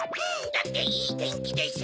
だっていいてんきでしょ。